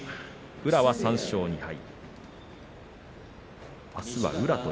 宇良は３勝２敗。